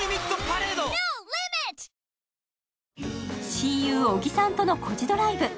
親友・小木さんとの「コジドライブ」。